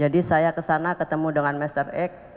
jadi saya kesana ketemu dengan mr x saya bilang apa ini pak teddy